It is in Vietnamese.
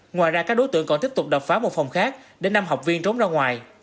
ngoài ra các đối tượng còn tiếp tục đập phá một phòng khác để năm học viên trốn ra ngoài